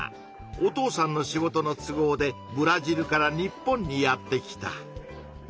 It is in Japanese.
お父さんの仕事の都合でブラジルから日本にやって来た。